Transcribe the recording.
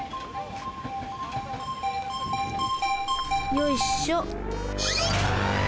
よいっしょ。